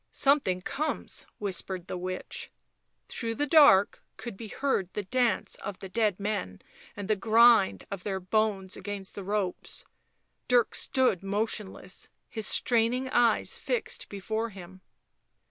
" Something comes," whispered the witch. Through the dark could be heard the dance of the dead men and the grind of their bones against the ropes. Dirk stood motionless, his straining eyes fixed before him.